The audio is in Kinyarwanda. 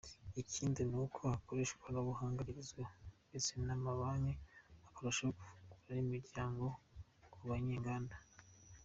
Ikindi ni uko hakoreshwa ikoranabuhanga rigezweho ndetse n’amabanki akarushaho gufungura imiryango ku banyenganda.